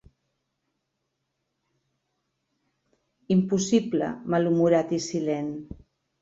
Impossible, malhumorat i silent.